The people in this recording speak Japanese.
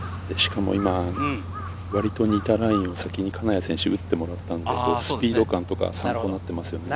割と似たラインを先に金谷選手に打ってもらったので、スピード感とかが参考になっています。